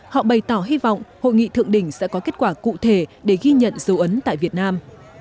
họ bày tỏ hy vọng hội nghị thượng đỉnh sẽ có kết quả cụ thể để ghi nhận dấu ấn tại việt nam